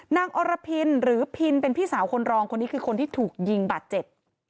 อรพินหรือพินเป็นพี่สาวคนรองคนนี้คือคนที่ถูกยิงบาดเจ็บ